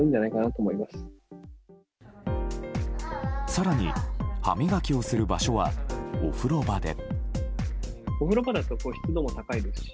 更に、歯磨きをする場所はお風呂場で。